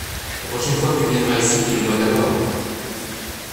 La prochaine fois que tu viendras ici, dis-le-moi d’abord.